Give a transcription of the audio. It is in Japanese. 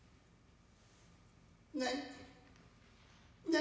何。